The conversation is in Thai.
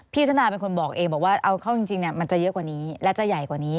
พี่อุทานาเป็นคนบอกเองว่าเอาเขาจริงเนี่ยมันจะเยอะกว่านี้และจะใหญ่กว่านี้